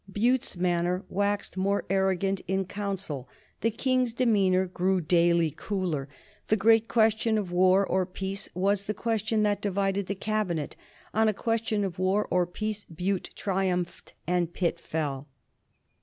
Bute's manner waxed more arrogant in Council. The King's demeanor grew daily cooler. The great question of war or peace was the question that divided the Cabinet. On a question of war or peace Bute triumphed and Pitt fell.